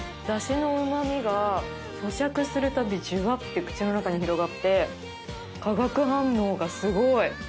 だしのうま味がそしゃくするたびじゅわって口の中に広がって化学反応がすごい。